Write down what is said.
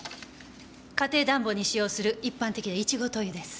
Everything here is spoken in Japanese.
家庭暖房に使用する一般的な１号灯油です。